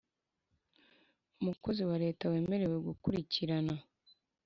Umukozi wa Leta wemerewe gukurikirana